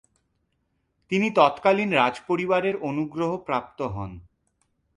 তিনি তৎকালিন রাজপরিবারের অনুগ্রহ প্রাপ্ত হন।